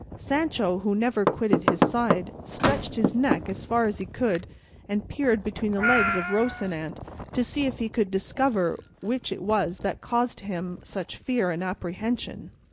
Sancho who never quitted his side, stretched his neck as far as he could and peered between the legs of Rocinante to see if he could now discover what it was that caused him such fear and apprehension.